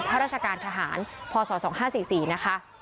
ข้าราชการทหารพศ๒๕๔๔นะคะ